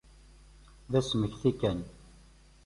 D asmekti kan.